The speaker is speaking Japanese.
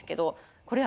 これは